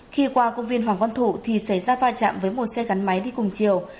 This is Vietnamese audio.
khi qua công viên hoàng văn thủ thì xảy ra va chạm với một xe gắn máy đi cùng chiều